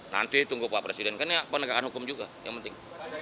nanti tunggu pak presiden kan ya penegakan hukum juga yang penting